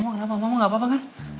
mama kenapa mama gak apa apa kan